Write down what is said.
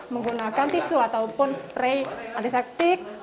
menggunakan tisu ataupun spray anti sektik